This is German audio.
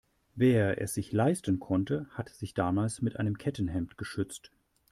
Wer es sich leisten konnte, hat sich damals mit einem Kettenhemd geschützt.